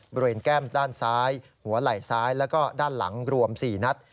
แก้มด้านซ้ายหัวไหล่ซ้ายแล้วก็ด้านหลังรวม๔นัด